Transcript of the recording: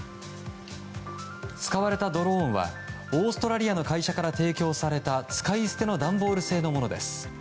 使われたドローンはオーストラリアの会社から提供された使い捨ての段ボール製のものです。